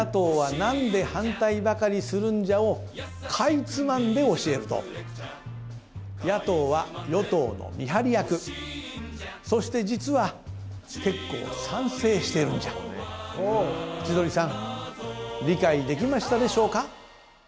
「何で反対ばかりするんじゃ？」をかいつまんで教えると野党は与党の見張り役そして実は結構賛成してるんじゃ千鳥さん理解できましたでしょうか？